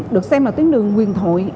được xem là tuyến đường huyền thội